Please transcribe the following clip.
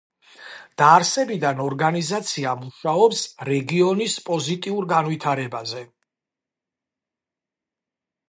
დაარსებიდან ორგანიზაცია მუშაობს რეგიონის პოზიტიურ განვითარებაზე.